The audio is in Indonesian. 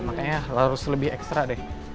makanya harus lebih ekstra deh